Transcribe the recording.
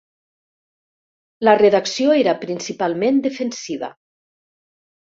La redacció era principalment defensiva.